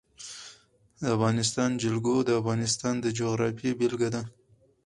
د افغانستان جلکو د افغانستان د جغرافیې بېلګه ده.